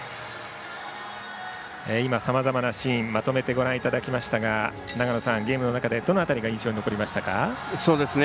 今、さまざまなシーンをまとめてご覧いただきましたが長野さん、ゲームの中でどの辺りが印象に残りましたか？